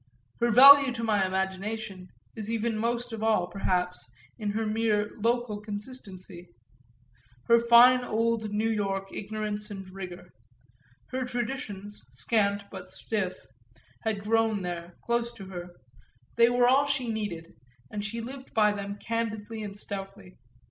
Her value to my imagination is even most of all perhaps in her mere local consistency, her fine old New York ignorance and rigour. Her traditions, scant but stiff, had grown there, close to her they were all she needed, and she lived by them candidly and stoutly.